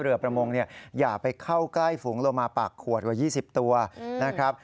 ประมงเนี่ยอย่าไปเข้าใกล้ฝูงโลมาปากขวดกว่า๒๐ตัวนะครับ